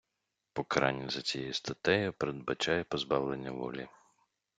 Покарання за цією статтею передбачає позбавлення волі.